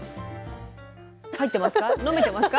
入ってますか？